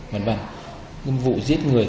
v v vụ giết người